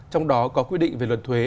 trong đó có quy định về luật thuế